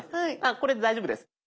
これで大丈夫です。